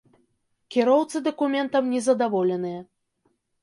Кіроўцы дакументам не задаволеныя.